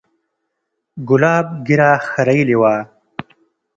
ګلاب ږيره خرييلې وه.